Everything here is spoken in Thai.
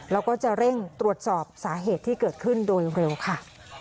แล้วก็จะเร่งตรวจสอบสาเหตุที่เกิดขึ้นโดยเร็วค่ะ